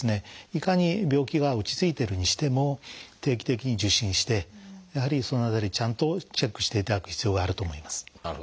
いかに病気が落ち着いてるにしても定期的に受診してやはりその辺りちゃんとチェックしていただく必要があると思います。